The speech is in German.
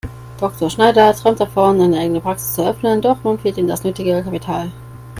Dr. Schneider träumt davon, eine eigene Praxis zu eröffnen, doch noch fehlt ihm das nötige Kapital.